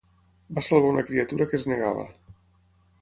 Va salvar una criatura que es negava.